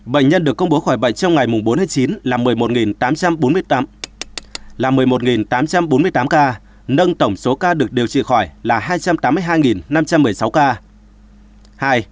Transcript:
bệnh nhân được công bố khỏi bệnh trong ngày bốn chín là một mươi một tám trăm bốn mươi tám ca nâng tổng số ca được điều trị khỏi là hai trăm tám mươi hai năm trăm một mươi sáu ca